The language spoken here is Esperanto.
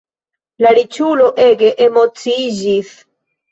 La riĉulo ege emociiĝis.